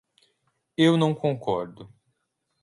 Eu não concordo.